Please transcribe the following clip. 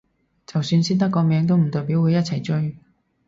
就算識得個名都唔代表會一齊追